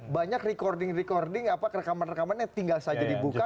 banyak recording recording apa rekaman rekaman yang tinggal saja dibuka